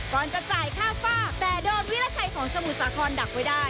แต่โดนวิราชัยของสมุทรสาครดักไว้ได้